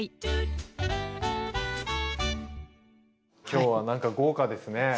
今日は何か豪華ですね。